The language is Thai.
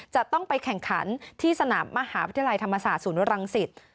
จะต้องไปแข่งขันที่สนามมหาวิทยาลัยธรรมศาสตร์ศูนย์รังสิต